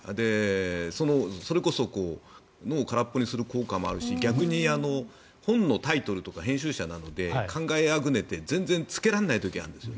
それこそ脳を空っぽにする効果もあるし逆に本のタイトルとか編集者なので考えあぐねて全然つけられない時があるんです。